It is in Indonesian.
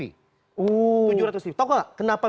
tujuh ratus ribu tau gak kenapa